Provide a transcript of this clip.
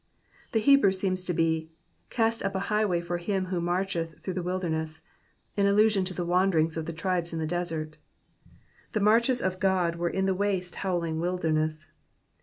The Hebrew seems to be :Cast up a highway for him who marcheth through the wilderness, in allusion to the wanderings of the tribes in the desert. The marches of God were in the waste howling wilderness.